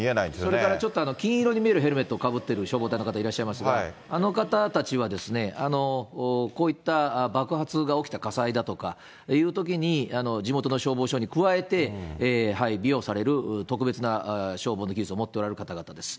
それからちょっと金色に見えるヘルメットをかぶってる消防隊の方がいらっしゃいますが、あの方たちはですね、こういった爆発が起きた火災だとかいうときに、地元の消防署に加えて、配備をされる特別な消防の技術を持っておられる方々です。